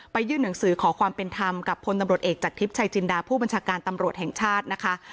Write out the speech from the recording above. ยื่นหนังสือขอความเป็นธรรมกับพลตำรวจเอกจากทิพย์ชัยจินดาผู้บัญชาการตำรวจแห่งชาตินะคะ